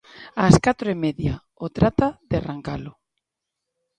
Ás catro e media, o Trata de Arrancalo.